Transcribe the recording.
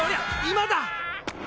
今だ！